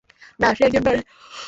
না, সে একজন নারী।